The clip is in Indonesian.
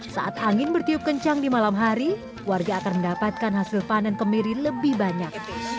saat angin bertiup kencang di malam hari warga akan mendapatkan hasil panen kemiri lebih banyak